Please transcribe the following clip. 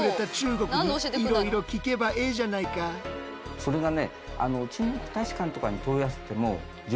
それがね